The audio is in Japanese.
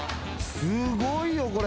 すごいよこれ。